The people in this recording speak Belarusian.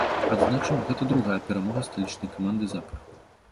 Адзначым, гэта другая перамога сталічнай каманды запар.